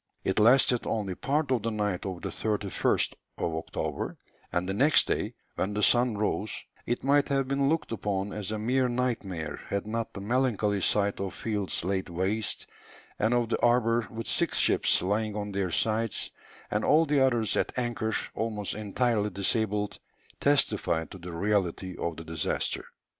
It lasted only part of the night of the 31st October, and the next day, when the sun rose, it might have been looked upon as a mere nightmare had not the melancholy sight of fields laid waste, and of the harbour with six ships lying on their sides, and all the others at anchor, almost entirely disabled, testified to the reality of the disaster.